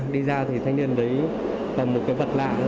đi ra thì thanh niên lấy tầm một cái vật lạ